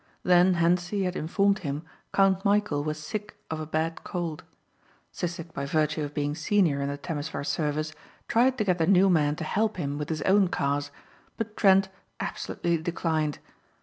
Then Hentzi had informed him Count Michæl was sick of a bad cold. Sissek by virtue of being senior in the Temesvar service tried to get the new man to help him with his own cars but Trent absolutely declined.